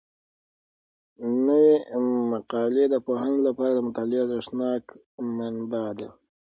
نوي مقالې د پوهانو لپاره د مطالعې ارزښتناکه منبع ده.